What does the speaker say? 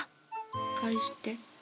返して。